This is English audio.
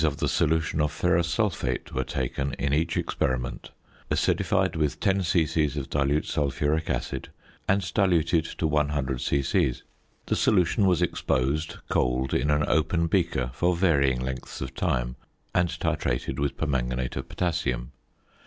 of the solution of ferrous sulphate were taken in each experiment, acidified with 10 c.c. of dilute sulphuric acid, and diluted to 100 c.c. The solution was exposed, cold, in an open beaker for varying lengths of time, and titrated with permanganate of potassium.